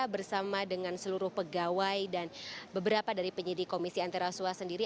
bersama dengan seluruh pegawai dan beberapa dari penyidik komisi antirasua sendiri